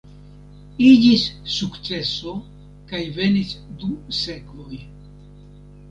Iĝis sukceso kaj venis du sekvoj.